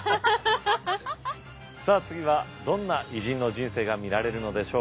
さあ次はどんな偉人の人生が見られるのでしょうか？